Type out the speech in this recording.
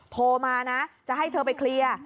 โทรมานะจะให้เธอไปเคลียร์